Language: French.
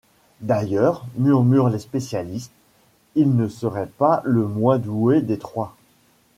D'ailleurs, murmurent les spécialistes, il ne serait pas le moins doué des trois.